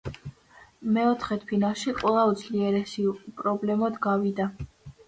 მეოთხედფინალში ყველა უძლიერესი უპრობლემოდ გავიდა.